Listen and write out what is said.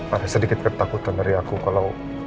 ada sedikit ketakutan dari aku kalau